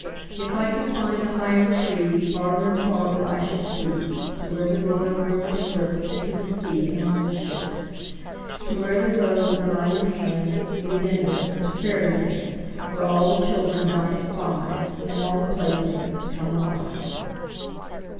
If I could find a higher treeFarther and farther I should see, To where the grown up river slipsInto the sea among the ships. To where the roads on either handLead onward into fairy land, Where all the children dine at five, And all the playthings come alive.